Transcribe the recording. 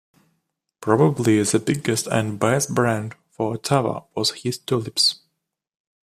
Probably the biggest and best brand for Ottawa was his tulips.